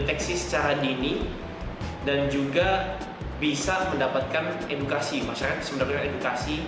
tapi mereka harus berkarya nyata dan mereka harus berkarya nyata